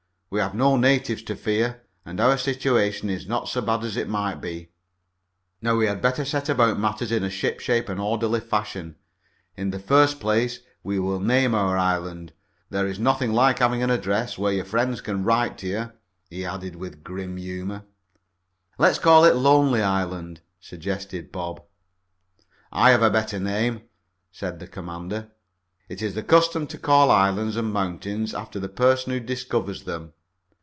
We have no natives to fear, and our situation is not so bad as it might be. Now we had better set about matters in a shipshape and orderly fashion. In the first place we will name our island. There's nothing like having an address where your friends can write to you," he added, with grim humor. "Let's call it 'Lonely Land,'" suggested Bob. "I have a better name," said the commander. "It is the custom to call islands and mountains after the person who discovers them.